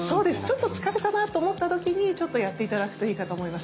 ちょっと疲れたなあと思った時にちょっとやって頂くといいかと思います。